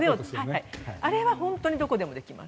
あれは本当にどこでもできます。